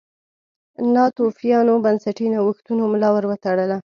ناتوفیانو بنسټي نوښتونو ملا ور وتړله.